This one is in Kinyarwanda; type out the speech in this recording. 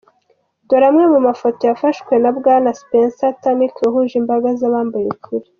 Dore amwe mu mafoto yafashwe na Bwana Spencer Tunick yahuje imbaga z’abambaye ukuri.